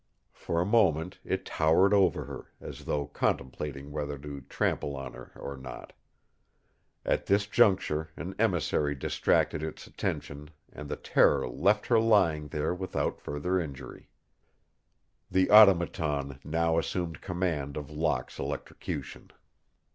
For a moment it towered over her, as though contemplating whether to trample on her or no. At this juncture an emissary distracted its attention and the terror left her lying there without further injury. The Automaton now assumed command of Locke's electrocution.